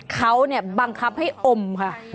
เขาบังคับให้อมค่ะ